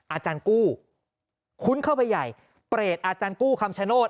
อาจารย์กู้คุ้นเข้าไปใหญ่เปรตอาจารย์กู้คำชโนธ